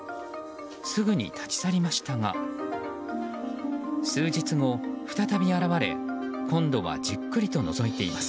すぐに立ち去りましたが数日後、再び現れ今度はじっくりとのぞいています。